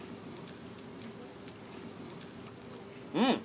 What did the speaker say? うん。